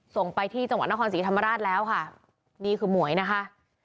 ส่งไปที่จังหวัดนครศรีธรรมราชแล้วค่ะนี่คือหมวยนะคะ